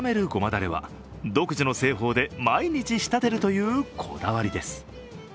だれは独自の製法で毎日仕立てるというこだわりです。